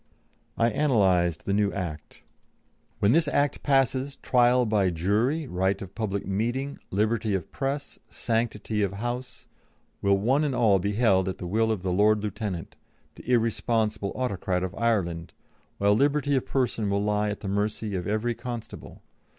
I analysed the new Act: "When this Act passes, trial by jury, right of public meeting, liberty of press, sanctity of house, will one and all be held at the will of the Lord Lieutenant, the irresponsible autocrat of Ireland, while liberty of person will lie at the mercy of every constable.